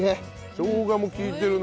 しょうがも利いてるな。